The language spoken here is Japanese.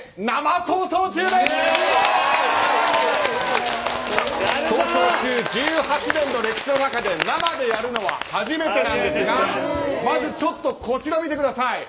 「逃走中」１８年の歴史の中で生でやるのは初めてなんですがまず、ちょっとこちら見てください。